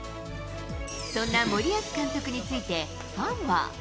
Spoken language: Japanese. そんな森保監督について、ファンは。